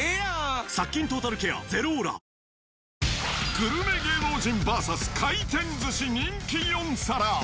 グルメ芸能人ＶＳ回転寿司人気４皿。